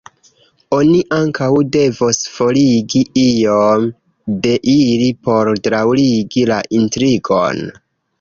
Oni ankaŭ devos forigi iom de ili por daŭrigi la intrigon.